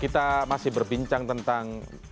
kita masih berbincang tentang